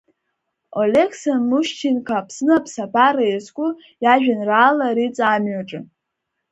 Олеқса Мушьченко Аԥсны аԥсабара иазку иажәеинраала Риҵа амҩаҿы…